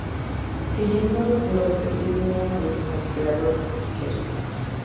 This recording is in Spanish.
Siguiendo los designios de su inspirador: Jesucristo.